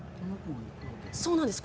そうなんです